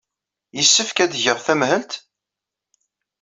Yessefk ad geɣ tamhelt?